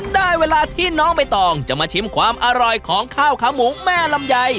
ได้เวลาที่น้องใบตองจะมาชิมความอร่อยของข้าวขาหมูแม่ลำไย